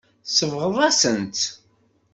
Tsebɣeḍ-asent-tt.